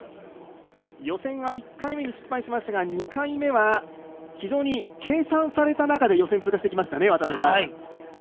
予選は１回目に失敗しましたが２回目は非常に計算された中で予選通過してきました。